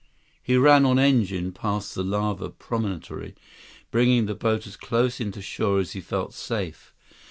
He ran on engine past the lava promontory, bringing the boat as close into shore as he felt safe.